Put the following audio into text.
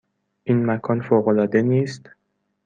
این مکان فوق العاده نیست؟